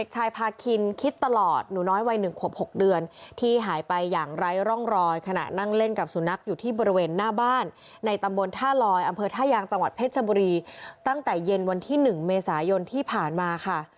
ที่จังหวัดเพชรชมบุรีตั้งแต่เย็นวันที่๑เมษายนที่ผ่านมาค่ะ